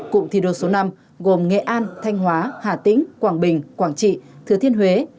cụm thi đua số năm gồm nghệ an thanh hóa hà tĩnh quảng bình quảng trị thứ thiên huế